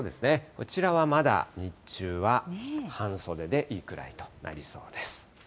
こちらはまだ日中は半袖でいいくらいとなりそうです。